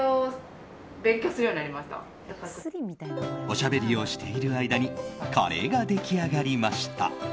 おしゃべりをしている間にカレーが出来上がりました。